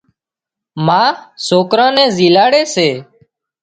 ما سوڪران نين زيلاڙي سي